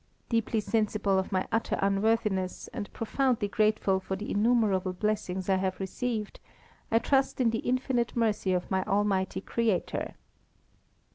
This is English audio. Deeply sensible of my utter unworthiness, and profoundly grateful for the innumerable blessings I have received, I trust in the infinite mercy of my Almighty Creator."